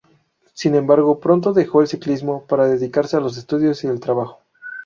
Sin embargo, pronto dejó el ciclismo para dedicarse a los estudios y trabajo.